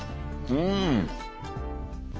うん！